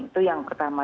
itu yang pertama